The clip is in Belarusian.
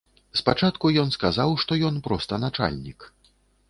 Спачатку ён сказаў, што ён проста начальнік.